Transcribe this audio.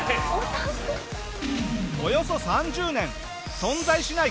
およそ３０年存在しない